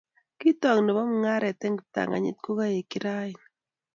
Kitok nebo mungaret eng kiptanganyit kokaekchi rani